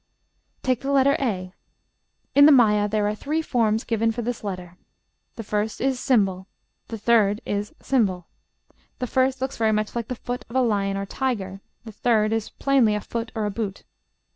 Take the letter a. In the Maya there are three forms given for this letter. The first is ###; the third is ###. The first looks very much like the foot of a lion or tiger; the third is plainly a foot or boot.